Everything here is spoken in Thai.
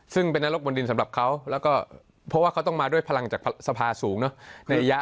ซึ่งเป็นนรกบนดินสำหรับเค้าเราก็เพราะว่าเค้าต้องมาด้วยพลังจากสภาษณ์สูงเนอะในระยะ